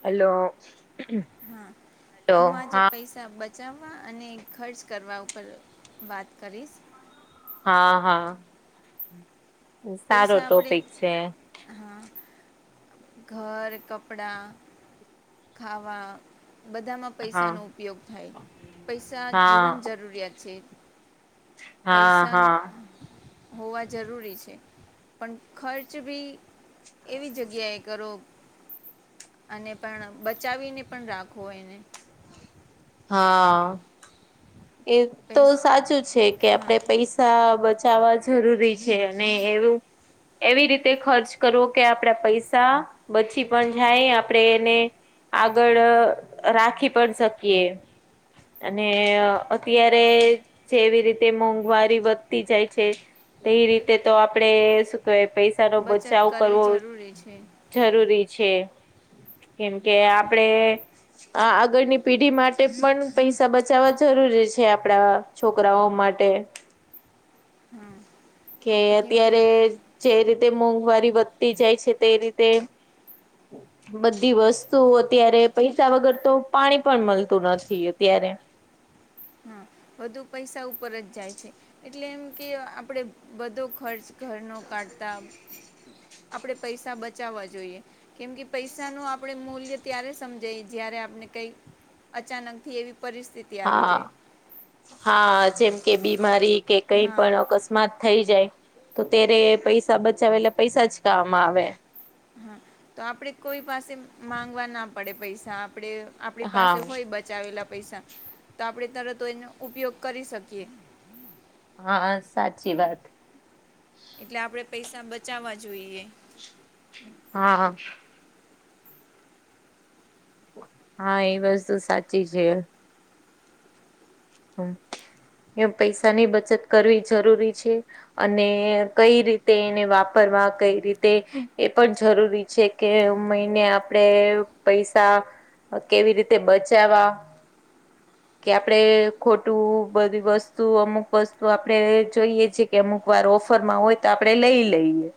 Hello. હા hello હું આજે હા પૈસા બચ ચાવવા અને ખર્ચ કરવા ઉપર વાત કરીશ. હા હા. સારો પૈસા આપણેે ટોપિક છે હા, ઘર, કપડા, ખાવા બધામાં પૈસા હા નો ઉપયોગ થાય. પૈસા હા જીવન જરૂરિયાત છે. હા પૈસા હા. હોવા જરૂરી છે પણ ખર્ચ ભી. એવી જગ્યાએ કરો અને પણ બચાવીને પણ રાખો એને. હા, એ તો પૈસા સાચું છે કે હા આપડે પૈસા બચાવવા જરૂરી છે અને એવું એવી રીતે ખર્ચ કરવો કે આપડા પૈસા બચી પણ જાય આપડે એને આગળ રાખી પણ શક કીએ. અને અત્યારે જેવી રીતે મોંઘવારી વધતી જાય છે. તે એ રીતે તો આપડે શું કેવાય પૈસા નો બચત બચાવ કરવી કરવો. જરૂરી છે જરૂરી છે કેમ કે આપડે આગળની પીઢી માટે પણ પૈસા બચાવવા જરૂરી છે આપડા છોકરાઓ માટે. [unintelligible] હા કે કેમકે અત્યારે જે રીતે મોંઘવારી વધતી જાય છે તે રીતે બધી વસ્તુ અત્યારે તો પૈસા વગર તો પાણી પણ મળતું નથી અત્યારે. હા વધુ પૈસા ઉપર જ જાય છે. એટલે એમ કે આપણે બધો ખર્ચ ઘરનો કાઢતા આપણે પૈસા બચાવવા જોઈએ. કેમ કે પૈસા નું આપણે મૂલ્ય ત્યારે સમજાય જયારે આપને કઈ અચાનક થી એવી પરિસ્થિતિ આવી હા જાય હા જેમ કે બીમારી કે કઈ હા પણ કસ્માત થઈ જાય તો ત્યારે પૈસા બચાવે એટલે પૈસા જ કામ આવે હા તો આપડે કોઈ પાસે માંગવા ના પડે પૈસા આપડે આપડી હા પાસે હોય બચાવેલા પૈસા તો આપડી તરત એનો ઉપયોગ કરી શકીએ હા સાચી વાત એટલે આપડે પૈસા બચાવવા જોઈએ હા હા એ વસ્તુ સાચી છે હમ એમ પૈસાની બચત કરવી જરૂરી છે અને કઈ રીતે એને વાપરવા કઈ રીતે એ પણ જરૂરી છે કે મહિને આપડે પૈસા કેવી રીતે બચાવા કે આપડે ખોટું બધી વસ્તુ અમુક વસ્તુ આપડે જોઈએ છે કે અમુક વાર ઓફરમાં હોય તો આપડે લઈ લઈએ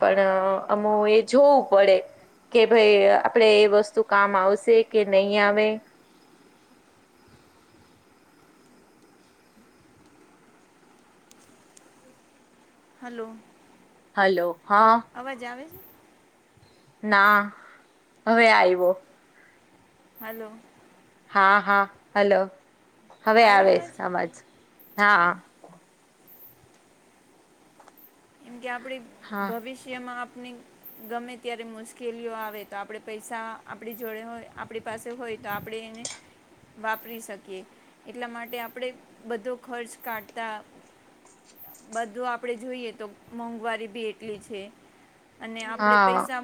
પણ અમુ એ જોવું પડે કે ભાઈ આપડે એ વસ્તુ કામ આવશે કે નહી આવે હલો હલો હા અવાજ આવે છે ના હવે આયવો હલો હા હા હલો હવે આવે છે અવાજ હા કેમ કે આપડી હા ભવિષ્યમાં આપણી ગમે ત્યારે મુશ્કેલીઓ આવે તો આપડે પૈસા આપડી જોડે હોય આપડી પાસે હોય તો આપડે એને વાપરી શકીએ એટલા માટે આપડે બધો ખર્ચ કાઢતા બધું આપડે જોઈએ તો મોંઘવારી ભી એટલી છે અને આપડે હા પૈસા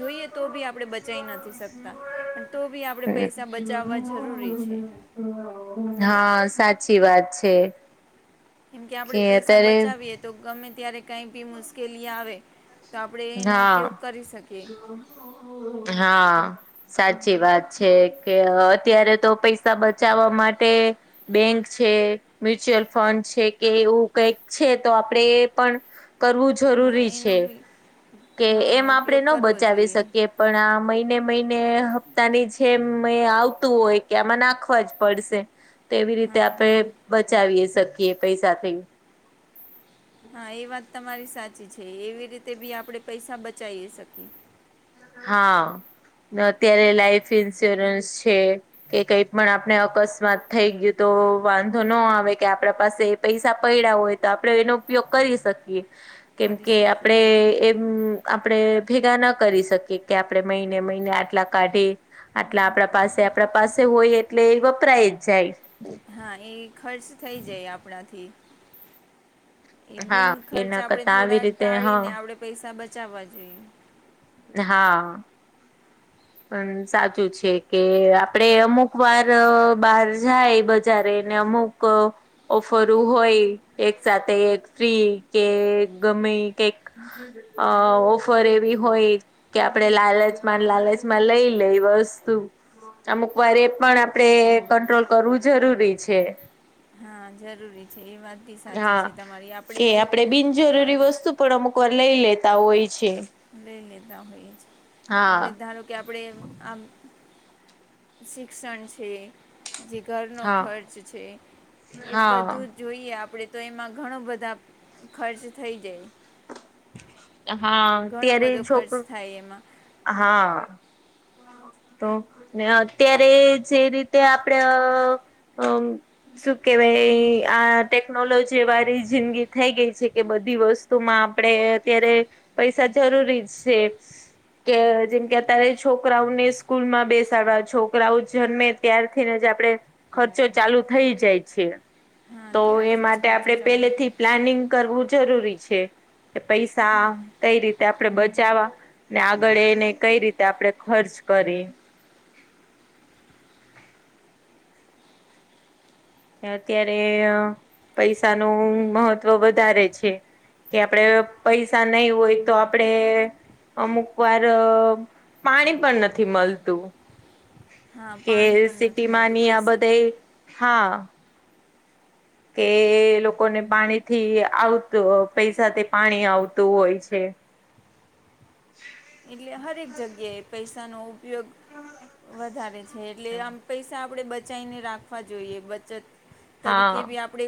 જોઈએ તો બી આપડે બચાઈ નથી શકતા પણ તો બી આપડે પૈસા બચાવવા જરૂરી છે. હા સાચી વાત છે. કેમ કે આપડે પૈસા બચાવીએ તો ગમે ત્યારે કઈ ભી મુશ્કેલી આવે તો આપડે એનો ઉપયોગ હા કરી શકીએ. હા. સાચી વાત છે, કે અત્યારે તો પૈસા બચાવા માટે બેંક છે, મ્યુચ્યુઅલ ફંડ છે કે એવું કઈક છે તો આપડે એ પણ કરવું હા જરૂરી એનો છે, બી કે એમ હા આપડે ઉપયોગ ન કરવો બચાવી જોઈએ શકીએ. પણ આ મહિને-મહિને હપ્તાની જેમ આવતું હોય કે આમાં નાખવા જ પડશે. તેવી રીતે હા આપડે બચાવી શકીએ પૈસાથી. હા, એ વાત તમારી સાચી છે, એવી રીતે બી આપડે પૈસા બચી શકીએ. હા, ને અત્યારે લાઈફ ઇન્સ્યોરન્સ છે કે કઈ પણ આપણે અકસ્માત થઈ ગયું. તો વાંધો ન આવે કે આપડા પાસે પૈસા પડ્યા હોય તો આપડે એનો ઉપયોગ કરી શકીએ. કેમ કરી કે શકીએ આપડે હા એમ આપડે ભેગા ના કરી શકીએ કે આપડે મહિને-મહિને આ ટલા કાઢી આટલા આપડા પાસે હોય એટલે એ વપરાય જ જાય. હા, એ ખર્ચ થઈ જાય આપડા થી એ હા બિન ખર્ચ એના આપડે કરતા થોડા આવી રીતે હા ટાળીને આપડે પૈસા બચાવા જોઈએ. હા. [inaudible] પણ સાચું છે કે આપડે અમુક વાર બહાર જાય બજારે ને અમુક ક ઓફર હોય એક સાથે ફ્રી કે ગમે કઈક અ ઓફર એવી હોય કે આપડણે લાલચમાં-લાલચમાં લઈ લે વસ્તુ. અમુક વાર એ પણ આપડણે કંટ્રોલ કરવું જરૂરી છે. હા, જરૂરી છે એ વાત. બી સાચી હા, છે તમારી કે આપણે આપડણે અ, બિનજરૂરી વસ્તુ પણ અમુક વાર લઈ લેતા હોય છે. લઈ લેતા હોઈએ છે આપણે હા ધારો કે આપણે આમ શિક્ષણ છે જે ઘરનો હા ખર્ચ છે એ હા બધું જ જોઈએ આપણે તો એમાં ઘણું બધા ખર્ચ થઈ જાય. હા ઘણો ત્યારે બધો છોક ખર્ચ થાય એમાં હા. [unintelligible] તો ને અત્યારે જે રીતે આપણે શું કેવાય ભાઈ આ ટેકનોલોજી વાળી જિંદગી થઈ ગઈ છે, કે બધી વસ્તુ વસ્તુમાં આપણેે અત્યારે પૈસા જરૂરી જ છે. કે જેમ કે અત્યારે છોકરાઓને સ્કૂલમાં બેસાડવા છોકરાઓ જન્મે ત્યાર થીને જ આપણે ખર્ચો ચાલુ થઈ જાય છે, હા તો એ ત્યારથી જ માટે ખર્ચો આપણેે ચાલુ પેલેથી પ્લાનિંગ કરવું જરૂરી છે. કે પૈસા કઈ રીતે આપણેે બચાવા ને આ આગળ એને કઈ રીતે આપણે ખર્ચ કરી અત્યારે પૈસાનું મહત્વ વધારે છે. કે આપણે પૈસા નહી હોય, તો આપણે અમુક વાર પાણી પણ નથી મળતું. હા કે પાણી પણ સિ નથી મળતું ટીમાંની આ પૈસા બધા, હા. કે લોકોને પાણીથી આવતું પૈસાથી પાણી આવતું હોય છે. એટલે દરેક જગ્યાએ પૈસા ન ઉપયોગ વધારે છે, એટલે આમ પૈસા આપણે બચાવને રાખવા જોઈએ. બચત તરીકે હા બી આપણે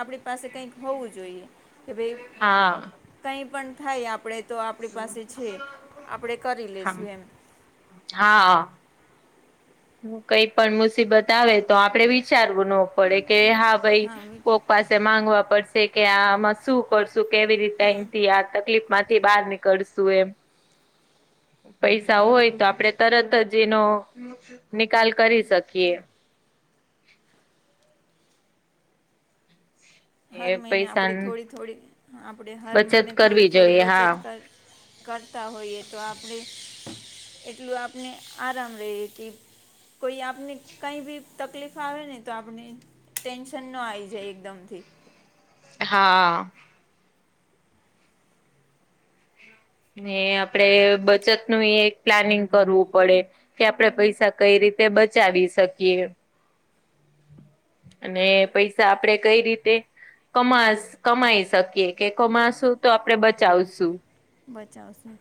આપણી પાસે કંઈક હોવું જોઈએ, કે ભાઈ? હા કઈ પણ થાય આપણે તો આપણી પાસે છે આપણેે કરી હા લેશું એમ. હા. કઈ પણ મુસીબત આવે તો આપડે વિચારવું ન પડે કે હા ભાઈ કો. પાસે માંગવા પડશે કે આમાં શું કરશું કેવી રીતેથી આ તકલીફ માંથી બહાર ની કડસુ એમ. પૈસા હોય તો આપડે તરત જ એનો. નિકાલ કરી શકીએ. હર એ મહિને આપણે પૈસાની થોડી થોડી આપણે હર બચત મહિને થોડી કરવી થોડી જોઈએ હા બચત કર. કરતા હોઈએ તો આપણે. એટલું આપને આરામ રહી કે. કોઈ આપને કઈ બી તકલીફ આવે ને તો આપણે. ટેન્શન નો આવી જાય એકદમ થી. હા. ને આપડે બચત નું એક પ્લાનિંગ કરવું પડે. કે આપડણે પૈસા કઈ રીતે બચાવી શકીએ. [inaudible] અને પૈસા આપડે કઈ રીતે. કમા કમાઈ શકીએ કે કમાશું તો આપડણે બચાવશું. બચાવશું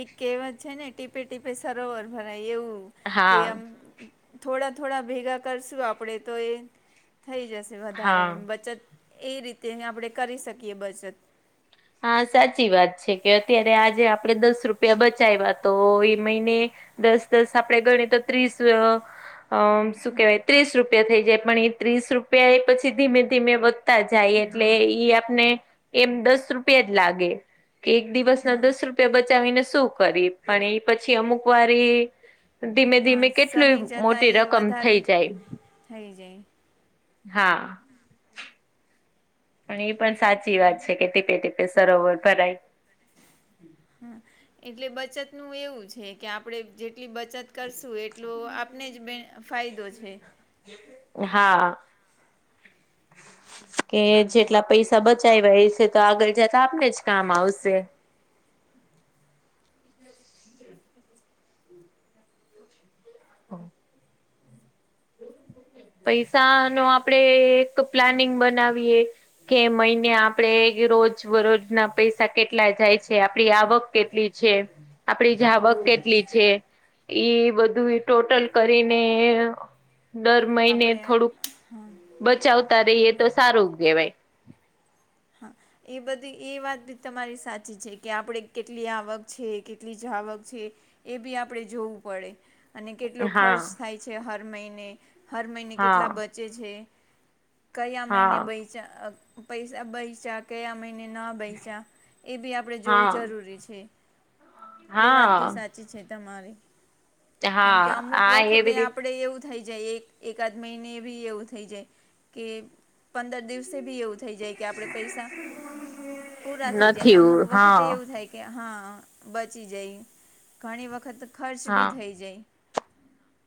એક કહેવત છે ને ટીપે ટીપે સરોવર ભરાય એવું. કે હા આમ થોડા થોડા ભેગા કરશું આપડે તો એ થઈ જશે. વધારે હા એમ બચત એ રીતે આપણે કરી શકીએ બચત. હા સાચી વાત છે કે અત્યારે આજે આપડણે દસ રૂપિયા બચાવ્યા તો એ મહિને. દસ દસ આપડે ગણી તો ત્રીસ. અ શું હા કેહેવાય ત્રીસ રૂપિયા થઈ જાય પણ એ ત્રીસ રૂપિયા એ પછી ધીમે ધીમે જાય હમ એટલે હમ ઈ આપને એમ દસ રૂપિયા જ લાગે. કે એક દિવસના હા દસ રૂપિયા બચાવીને શું કરી પણ એ પછી અમુક વારી ધીમે હા ધીમે કેટલી સમય જતાં મોટી એ રકમ વધારે થઈ જાય. થઈ જાય. હા. અને એ પણ સાચી વાત છે કે ટીપે ટીપે સરોવર ભરાય. હા, એટલે બચતનું એવું છે કે આપણે જેટલી બચત કરશું એટલો આપને જ બે ફાયદો છે. હા. કે જેટલા પૈસા બચાવવા એ છે તો આગળ જતા આ પને જ કામ આવશે. [inaudible] હા. [unintelligible] [inaudible] પૈસા નો આપડે એક પ્લાનિંગ બનાવીએ. કે મહિને આપડે રોજ બરોજ ના પૈસા કેટલા જાય છે આપડી આવક કેટલી છે, આપણી જાવક કેટલી છે. ઈ બધું ટોટલ કરીને. દર મહિને આપણે થોડુંક હા બચાવતા રહીએ તો સારું કહેવાય. હા. એ બધી એ વાત બી તમારી સાચી છે કે આપણે કેટલી આવક છે કેટલી જ આવક છે. એ બી આપણેે જોવું પડે. અને કેટલો હા ખર્ચ થાય છે હર મહિને, હર મહિને હા કેટલા બચે છે. કયા મહિને હા બેચા પૈસા બૈચા કયા મહિને ના એ બી આપણેે જોવું હા જરૂરી છે, એ વાત બી હા સાચી. તમારી, કેમ હા કે અમુક હા એવી વખતે રીતે આપડ એવું થ જાય એક એકાદ મહિને ભી એવું થઈ જાય, કે પંદર દિવસે ભી એવું થઈ જ કે આપણે પૈસા, પૂરા થઈ જાયને અમુક નથી વખતે હા એવું થાય. કે હા બચી જાય, ઘણી વખત ખર્ચ હા બી થઈ જાય.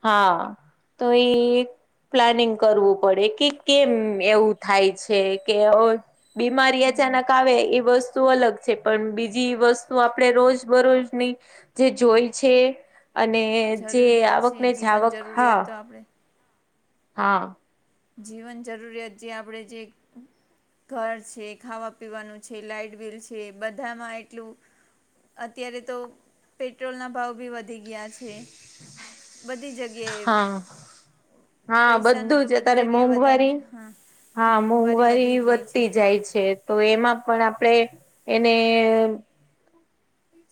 હા, તો એ પ્લાનિંગ કરવું પડે કે કેમ એવું થાય છે કે બિમારી અચનક આવે આવે એ બસ અલગ છે પણ બીજી વસ્તુ આપણે રોજ બરોજની, જે જોઈ છે. અને જે જરૂરિયાત આ છે જીવન જરૂરિયાત તો આપણે. હા. જીવન જરૂરિયાત જે આપણે જે ઘર છે ખાવા પીવાનું છે લાાઈટ બિલ છે બધામાં એટલું અત્યારે તો પેટ્રોલના ભાવ બી વધારે ગયા છે, બધી જગ્યાએ, હા હા પૈસા નથી. બધું જ બધી અત્યારે જગ્યાએ વધારે મોંઘવારી હા મોંઘવારી વધી ગઈ છે. થાય છે તો એમાં પણ આપણે એને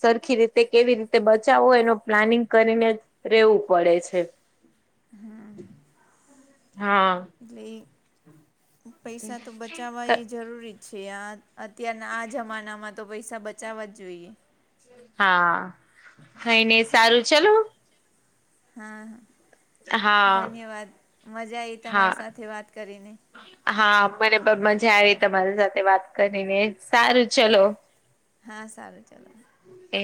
સરખી રીતે કેવી રીતે બચાવો એનો પ્લાનિંગ કરીને જ રેવું પડે છે હા એટલે એ પૈસા તો બચાવા એ જરૂરી છે આ અત્યારના આ જમાનામાં તો પૈસા બચાવવા જ જોઈએ હા કઈને સારું ચાલું હા હા ધન્યવાદ મજા આવી હા તમારી સાથે વાત કરીને હા મને પણ મજા આવી તમારી સાથે વાત કરીને સારું ચલો હા સારું ચાલો એ